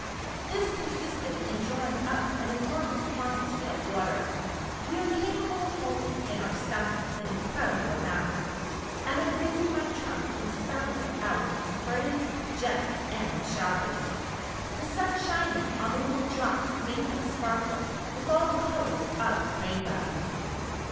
This consisted in drawing up an enormous quantity of water (we are capable of holding in our stomachs an incredible amount), and of raising my trunk and spouting it out in sprays, jets, and showers. The sun shining on the little drops made them sparkle with all the colours of the rainbow.